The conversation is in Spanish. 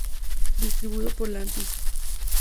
Distribuido por Lantis.